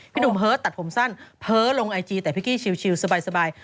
พี่หนุ่มเหิดตัดผมสั้นเฮ้อลงไอจีแต่พี่กี้ชิลด์สบาย